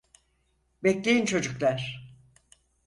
Bekleyin çocuklar.